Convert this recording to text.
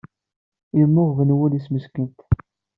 Yemmuɣben wul-is meskint.